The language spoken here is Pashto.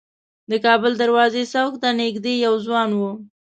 د کابل دروازې څوک ته نیژدې یو ځوان و.